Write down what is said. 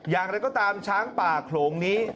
อย่างไรก็ตามช้างป่าโขลงนี้